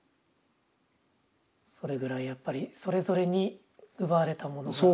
それぐらいやっぱりそれぞれに奪われたものが。